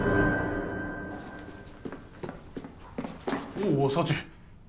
おお幸。